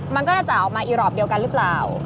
มันก็จะออกมาอีลอร์ปเดียวกันรึเปล่า